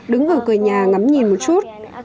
đứng ở cửa nhà ngắm nhìn một chút